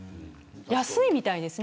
安いみたいですね。